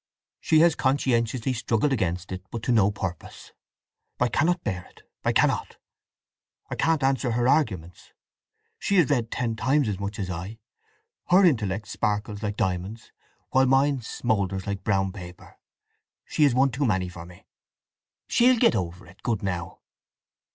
She has conscientiously struggled against it, but to no purpose. I cannot bear it—I cannot! I can't answer her arguments—she has read ten times as much as I. Her intellect sparkles like diamonds, while mine smoulders like brown paper… She's one too many for me!" "She'll get over it, good now?"